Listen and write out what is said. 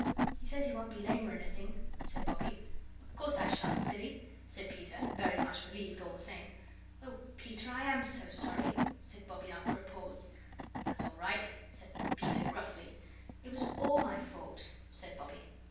"He says you won't be lame or anything," said Bobbie. "Oh, course I shan't, silly," said Peter, very much relieved all the same. "Oh, Peter, I AM so sorry," said Bobbie, after a pause. "That's all right," said Peter, gruffly. "It was ALL my fault," said Bobbie.